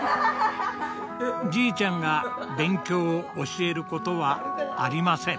じいちゃんが勉強を教えることはありません。